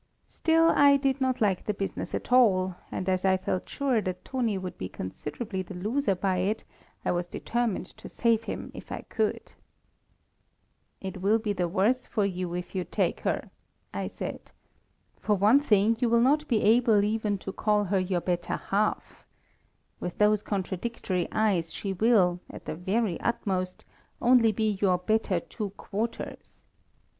Still, I did not like the business at all, and as I felt sure that Toni would be considerably the loser by it, I was determined to save him if I could. "It will be the worse for you if you take her," I said. "For one thing, you will not be able even to call her your better half. With those contradictory eyes she will, at the very utmost, only be your better two quarters.